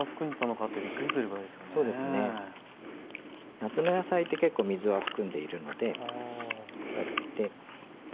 夏の野菜って結構水は含んでいるのでこうやって。